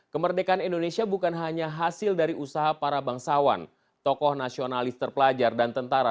kemerdekaan indonesia bukan hanya hasil dari usaha para bangsawan tokoh nasionalis terpelajar dan tentara